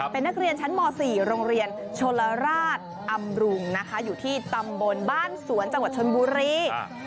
เป็นนักเรียนชั้นม๔โรงเรียนชนลราชอำรุงนะคะอยู่ที่ตำบลบ้านสวนจังหวัดชนบุรี